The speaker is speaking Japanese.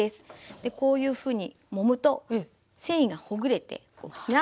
でこういうふうにもむと繊維がほぐれてふにゃっとなりますね。